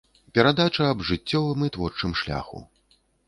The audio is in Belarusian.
Перадача аб жыццёвым і творчым шляху.